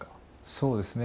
そうですね